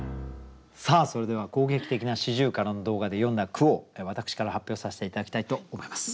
それでは攻撃的な四十雀の動画で詠んだ句を私から発表させて頂きたいと思います。